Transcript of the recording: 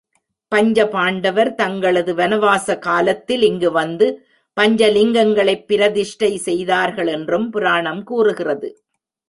பஞ்ச பாண்டவர் தங்களது வனவாச காலத்தில் இங்கு வந்து பஞ்ச.லிங்கங்களைப் பிரதிஷ்டை செய்தார்கள் என்றும் புராணம் கூறுகிறது.